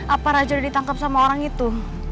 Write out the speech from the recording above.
apa raja udah ditangkap sama orang itu